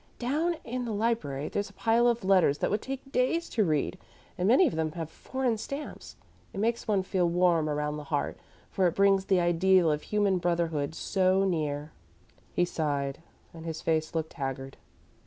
Down in the library, there's a pile of letters that would take days to read, and many of them have foreign stamps. It makes one feel warm around the heart, for it brings the ideal of human brotherhood so near." He sighed and his face looked haggard.